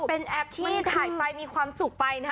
เป็นแอปที่ถ่ายไปมีความสุขไปนะฮะ